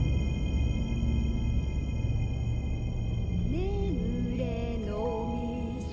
ねむれのうみそ